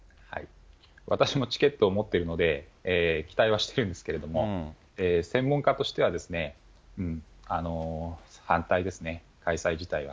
私もチケットを持っているので、期待はしてるんですけれども、専門家としては、反対ですね、開催自体は。